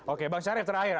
oke bang syarif terakhir